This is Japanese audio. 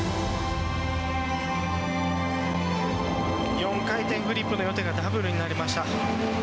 ４回転フリップの予定がダブルになりました。